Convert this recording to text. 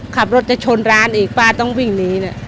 ขับรถจะชนร้านอีกป้าต้องวิ่งหนีเนี่ย